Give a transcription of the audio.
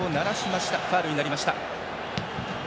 ファウルになりました。